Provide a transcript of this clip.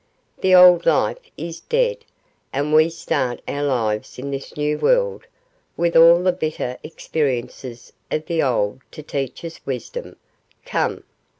The old life is dead, and we start our lives in this new world with all the bitter experiences of the old to teach us wisdom come!